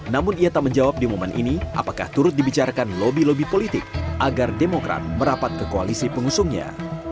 namun ia tak menjawab di momen ini apakah turut dibicarakan lobby lobby politik agar demokrat merapat ke koalisi pengusungnya